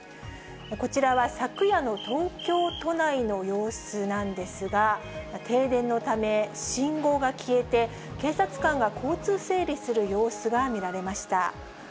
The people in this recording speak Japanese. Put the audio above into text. こちらは昨夜の東京都内の様子なんですが、停電のため、信号が消えて、警察官が交通整理する様子が見られました。